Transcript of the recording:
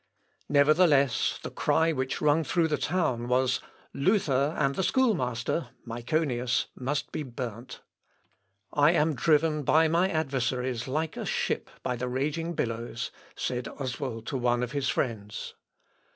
Nevertheless, the cry which rung through the town was, "Luther and the schoolmaster (Myconius) must be burnt." "I am driven by my adversaries like a ship by the raging billows," said Oswald to one of his friends.